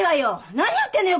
何やってんのよ